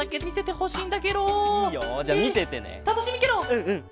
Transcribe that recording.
うんうん！